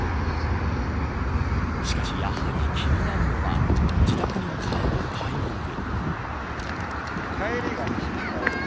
しかし、やはり気になるのは自宅に帰るタイミング。